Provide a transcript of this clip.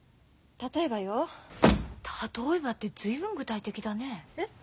例えばって随分具体的だね。え？